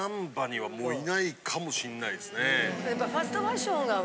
はい。